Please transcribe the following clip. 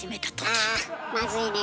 あまずいね